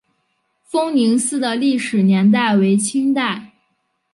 丰宁寺的历史年代为清代。